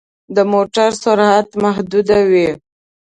د موټر سرعت محدود وي.